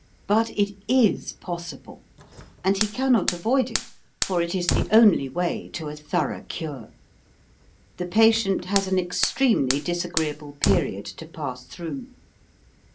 But it is possible, and he can not avoid it, for it is the only way to a thor 184 THE CURE 185 ough cure. The patient has an extremely disagreeable period to pass through.